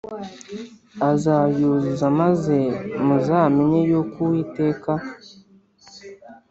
azayuzuza maze muzamenye yuko Uwiteka